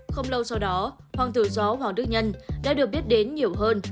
không lâu sau đó hoàng tử gió hoàng đức nhân đã được biết đến nhiều hơn